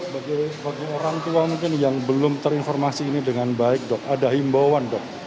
bagi orang tua mungkin yang belum terinformasi ini dengan baik dok ada himbauan dok